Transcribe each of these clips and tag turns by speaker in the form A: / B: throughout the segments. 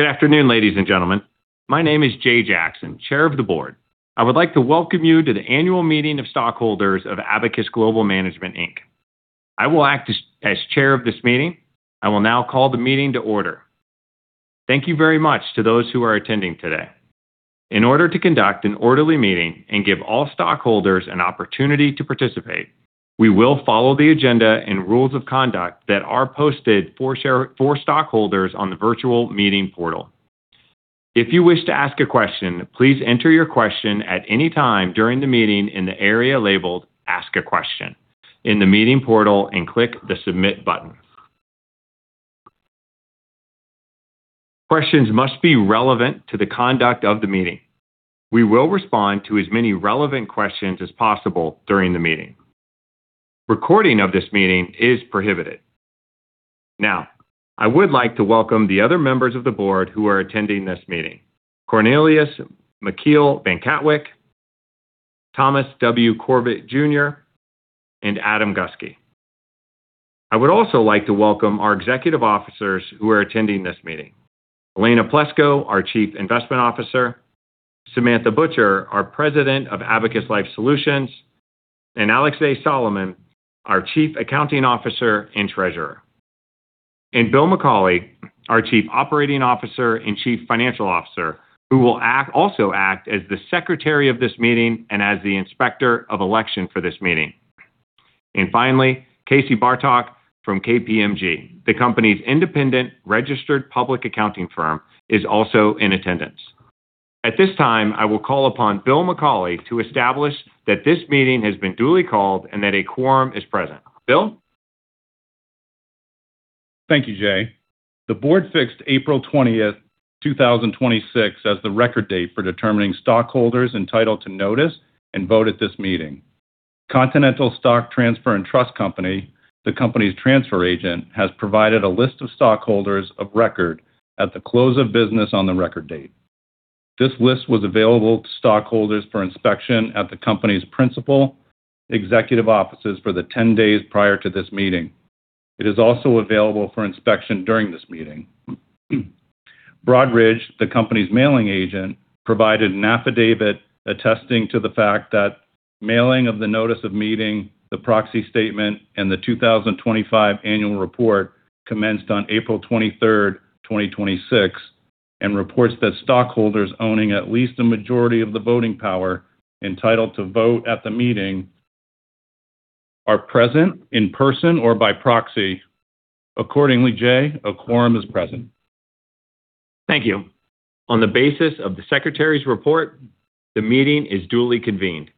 A: Good afternoon, ladies and gentlemen. My name is Jay Jackson, Chair of the Board. I would like to welcome you to the annual meeting of stockholders of Abacus Global Management, Inc. I will act as chair of this meeting. I will now call the meeting to order. Thank you very much to those who are attending today. In order to conduct an orderly meeting and give all stockholders an opportunity to participate, we will follow the agenda and rules of conduct that are posted for stockholders on the virtual meeting portal. If you wish to ask a question, please enter your question at any time during the meeting in the area labeled Ask a Question in the meeting portal and click the Submit button. Questions must be relevant to the conduct of the meeting. We will respond to as many relevant questions as possible during the meeting. Recording of this meeting is prohibited. Now, I would like to welcome the other members of the board who are attending this meeting. Cornelius Michiel van Katwijk, Thomas W. Corbett Jr., and Adam Gusky. I would also like to welcome our executive officers who are attending this meeting. Elena Plesco, our Chief Investment Officer, Samantha Butcher, our President of Abacus Life Solutions, Alex A. Solomon, our Chief Accounting Officer and Treasurer, and Bill McCauley, our Chief Operating Officer and Chief Financial Officer, who will also act as the Secretary of this meeting and as the Inspector of Election for this meeting. Finally, Casey Bartok from KPMG, the company's independent registered public accounting firm, is also in attendance. At this time, I will call upon Bill McCauley to establish that this meeting has been duly called and that a quorum is present. Bill?
B: Thank you, Jay. The board fixed April 20th, 2026, as the record date for determining stockholders entitled to notice and vote at this meeting. Continental Stock Transfer & Trust Company, the company's transfer agent, has provided a list of stockholders of record at the close of business on the record date. This list was available to stockholders for inspection at the company's principal executive offices for the 10 days prior to this meeting. It is also available for inspection during this meeting. Broadridge, the company's mailing agent, provided an affidavit attesting to the fact that mailing of the notice of meeting, the proxy statement, and the 2025 annual report commenced on April 23rd, 2026, and reports that stockholders owning at least a majority of the voting power entitled to vote at the meeting are present in person or by proxy. Accordingly, Jay, a quorum is present.
A: Thank you. On the basis of the secretary's report, the meeting is duly convened.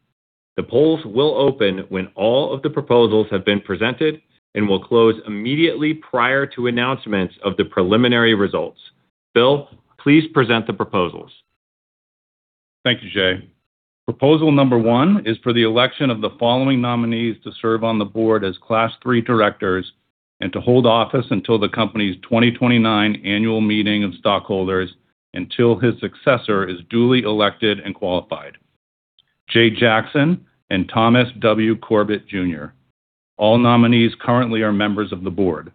A: The polls will open when all of the proposals have been presented and will close immediately prior to announcements of the preliminary results. Bill, please present the proposals.
B: Thank you, Jay. Proposal number one is for the election of the following nominees to serve on the board as Class III directors and to hold office until the company's 2029 annual meeting of stockholders, until his successor is duly elected and qualified. Jay Jackson and Thomas W. Corbett Jr. All nominees currently are members of the board.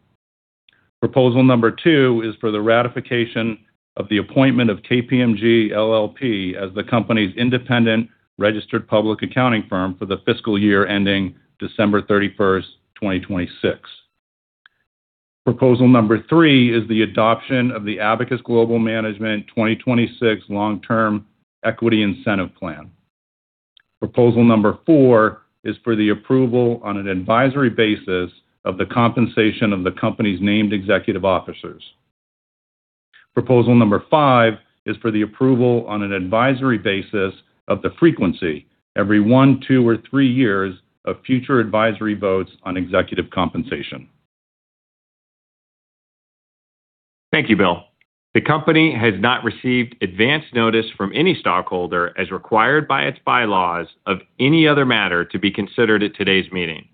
B: Proposal number two is for the ratification of the appointment of KPMG LLP as the company's independent registered public accounting firm for the fiscal year ending December 31st, 2026. Proposal number three is the adoption of the Abacus Global Management 2026 Long-Term Equity Incentive Plan. Proposal number four is for the approval on an advisory basis of the compensation of the company's named executive officers. Proposal number five is for the approval on an advisory basis of the frequency every one, two, or three years of future advisory votes on executive compensation.
A: Thank you, Bill. The company has not received advance notice from any stockholder, as required by its bylaws, of any other matter to be considered at today's meeting.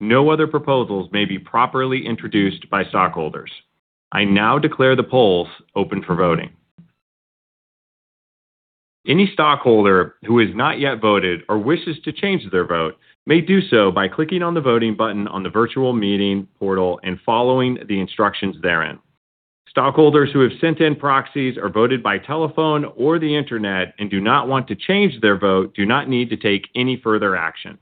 A: No other proposals may be properly introduced by stockholders. I now declare the polls open for voting. Any stockholder who has not yet voted or wishes to change their vote may do so by clicking on the voting button on the virtual meeting portal and following the instructions therein. Stockholders who have sent in proxies or voted by telephone or the internet and do not want to change their vote do not need to take any further action.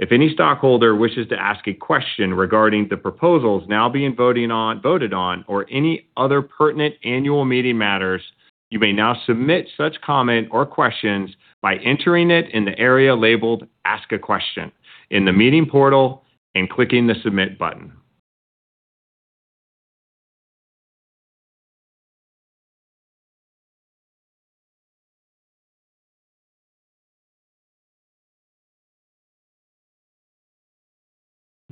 A: If any stockholder wishes to ask a question regarding the proposals now being voted on or any other pertinent annual meeting matters, you may now submit such comment or questions by entering it in the area labeled Ask a Question in the meeting portal and clicking the Submit button.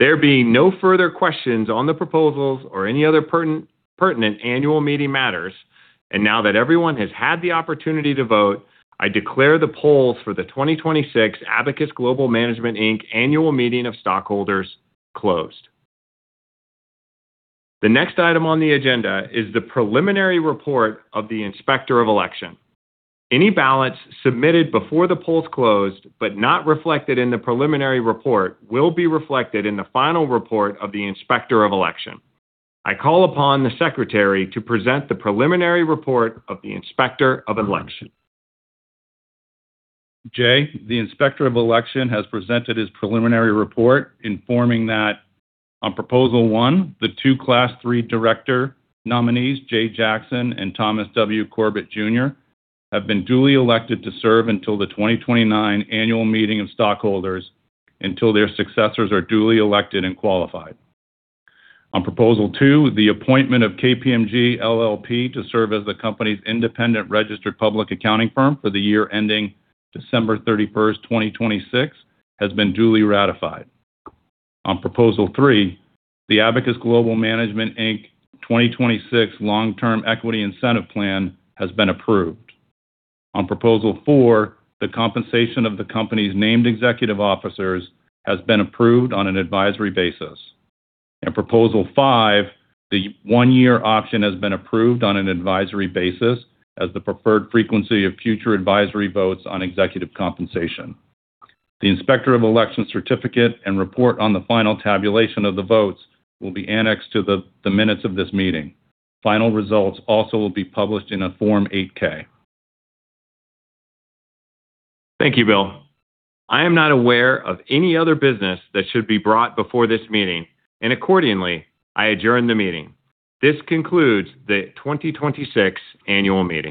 A: There being no further questions on the proposals or any other pertinent annual meeting matters, and now that everyone has had the opportunity to vote, I declare the polls for the 2026 Abacus Global Management, Inc. Annual Meeting of Stockholders closed. The next item on the agenda is the preliminary report of the inspector of election. Any ballots submitted before the polls closed but not reflected in the preliminary report will be reflected in the final report of the inspector of election. I call upon the secretary to present the preliminary report of the inspector of election.
B: Jay, the inspector of election has presented his preliminary report informing that on proposal 1, the 2 Class III director nominees, Jay Jackson and Thomas W. Corbett Jr., have been duly elected to serve until the 2029 annual meeting of stockholders until their successors are duly elected and qualified. On proposal 2, the appointment of KPMG LLP to serve as the company's independent registered public accounting firm for the year ending December 31, 2026, has been duly ratified. On proposal 3, the Abacus Global Management, Inc. 2026 Long-Term Equity Incentive Plan has been approved. On proposal 4, the compensation of the company's named executive officers has been approved on an advisory basis. On proposal 5, the one-year option has been approved on an advisory basis as the preferred frequency of future advisory votes on executive compensation. The inspector of election certificate and report on the final tabulation of the votes will be annexed to the minutes of this meeting. Final results also will be published in a Form 8-K.
A: Thank you, Bill. I am not aware of any other business that should be brought before this meeting, and accordingly, I adjourn the meeting. This concludes the 2026 annual meeting.